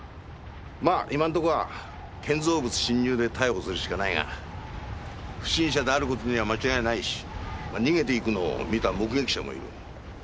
まあ今んとこは建造物侵入で逮捕するしかないが不審者である事には間違いないし逃げていくのを見た目撃者もいる。